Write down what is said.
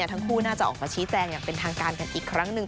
ทั้งคู่น่าจะออกมาชี้แจงอย่างเป็นทางการกันอีกครั้งหนึ่ง